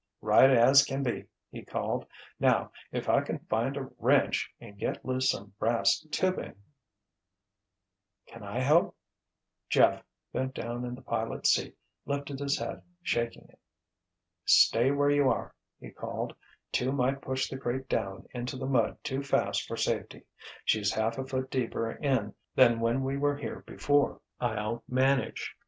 "Right as can be!" he called. "Now if I can find a wrench and get loose some brass tubing——" "Can I help?" Jeff, bent down in the pilot's seat, lifted his head, shaking it. "Stay where you are," he called. "Two might push the crate down into the mud too fast for safety. She's half a foot deeper in than when we were here before. I'll manage."